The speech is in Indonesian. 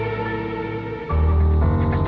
aku sudah berhenti